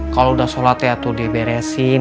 kalau udah sholat ya tuh diberesin